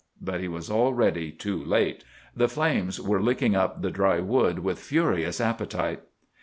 But he was already too late. The flames were licking up the dry wood with furious appetite.